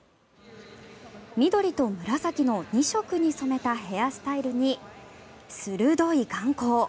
緑と紫の２色に染めたヘアスタイルに鋭い眼光。